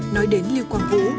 nói đến lưu quang vũ